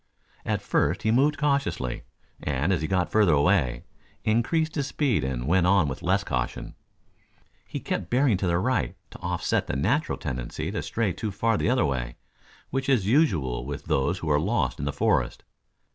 At first he moved cautiously and as he got further away, increased his speed and went on with less caution. He kept bearing to the right to offset the natural tendency to stray too far the other way, which is usual with those who are lost in the forest.